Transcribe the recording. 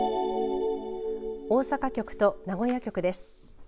大阪局と名古屋局です。